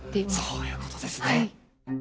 そういうことですね。